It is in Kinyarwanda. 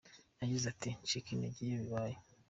Yagize ati “Ncika intege iyo bibaye.